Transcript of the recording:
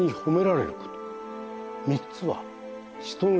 ３つは。